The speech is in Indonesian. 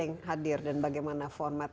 yang hadir dan bagaimana format